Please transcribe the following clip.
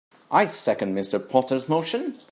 I second Mr. Potter's motion.